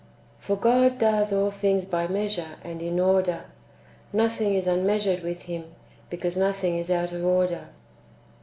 For God does all things by measure and in order ; nothing is unmeasured with Him, because nothing is out of order.